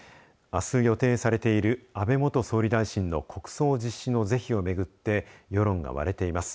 あす予定されている安倍元総理大臣の国葬実施の是非を巡って世論が割れています。